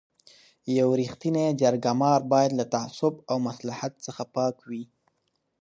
یو رښتینی جرګه مار باید له تعصب او مصلحت څخه پاک وي.